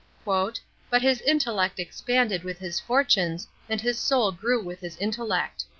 " But his intellect expanded with his fortunes, and his soul grew with his intell ct."